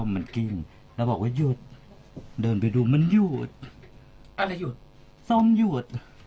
มันกิ้งอยู่พอสั่งหยุด